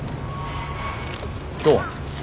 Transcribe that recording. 今日は？